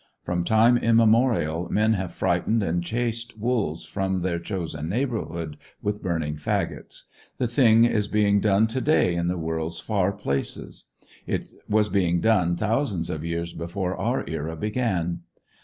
From time immemorial men have frightened and chased wolves from their chosen neighbourhood with burning faggots. The thing is being done to day in the world's far places; it was being done thousands of years before our era began.